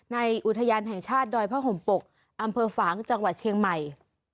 อุทยานแห่งชาติดอยผ้าห่มปกอำเภอฝางจังหวัดเชียงใหม่